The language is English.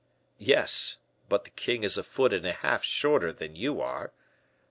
"Yes; but the king is a foot and a half shorter than you are."